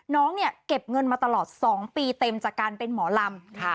น้องเนี่ยเก็บเงินมาตลอด๒ปีเต็มจากการเป็นหมอลำ